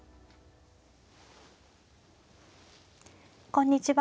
こんにちは。